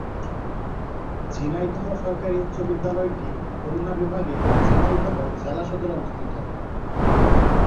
ঝিনাইদহ সরকারি উচ্চ বিদ্যালয়টি খুলনা বিভাগের ঝিনাইদহ জেলা সদরে অবস্থিত।